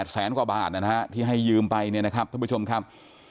แสนกว่าบาทนะฮะที่ให้ยืมไปเนี่ยนะครับท่านผู้ชมครับ